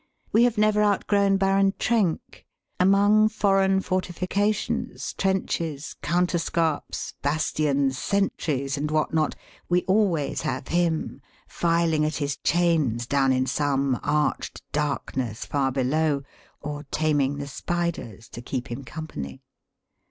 We have never out grown Baron Trenck, Among foreign forti fications, trenches, counterscarps, bastions, sentries, and what not, we always have him. filing at his chains down in some arched darkness far below, or taming the spiders to keep him company.